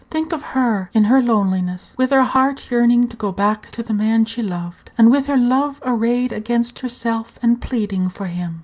Think of her in her loneliness, with her heart yearning to go back to the man she loved, and with her love arrayed against herself, and pleading for him.